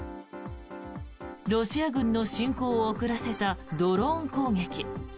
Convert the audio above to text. ロシア軍の侵攻を遅らせたドローン攻撃。